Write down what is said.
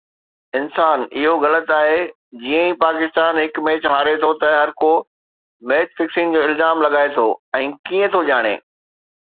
انسان، اهو غلط آهي. جيئن ئي پاڪستان هڪ ميچ هاري ٿو ته هرڪو ميچ فڪسنگ جو الزام لڳائي ٿو ۽ ڪيئن ٿو ڄاڻي